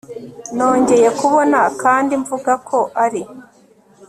Nongeye kubona kandi mvuga ko ari